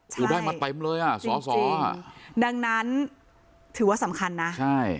ใช่ได้มาเต็มเลยอ่ะสอจริงจริงดังนั้นถือว่าสำคัญน่ะใช่